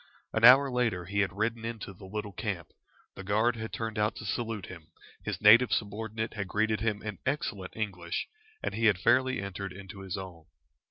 An hour later he had ridden into the little camp, the guard had turned out to salute him, his native subordinate had greeted him in excellent English, and he had fairly entered into his own.